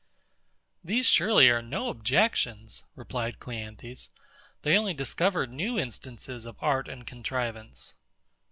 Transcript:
These surely are no objections, replied CLEANTHES; they only discover new instances of art and contrivance.